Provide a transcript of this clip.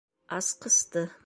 Асҡысты.